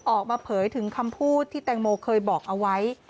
ออกมาเผยถึงคำพูดที่แตงโมเคยบอกเอาไว้